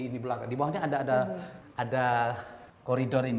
masih attached ya